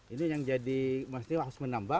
ini yang jadi mesti harus menambah